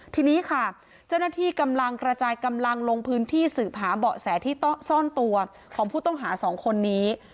ทีนี้ค่ะเจ้าหน้าที่กำลังกระจายกำลังลงพื้นที่สืบหาเบาะแสที่ซ่อนตัวของผู้ต้องหาสองคนนี้